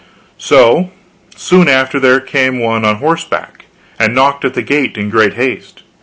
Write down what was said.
So, soon after there came one on horseback, and knocked at the gate in great haste.